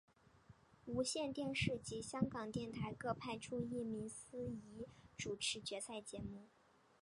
无线电视及香港电台各派出一名司仪主持决赛节目。